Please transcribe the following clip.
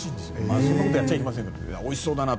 そんなことやっちゃいけませんがおいしそうだなと。